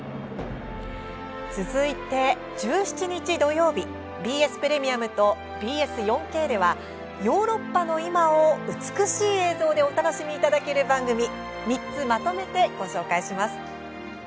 続いて１７日、土曜日ＢＳプレミアムとＢＳ４Ｋではヨーロッパの今を美しい映像でお楽しみいただける番組３つまとめてご紹介します。